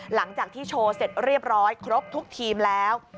หลังจากที่โชว์เสร็จเรียบร้อยครบทุกทีมแล้ว